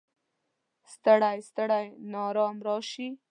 ستړی، ستړی ناارام راشي